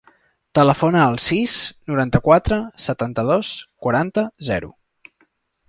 Telefona al sis, noranta-quatre, setanta-dos, quaranta, zero.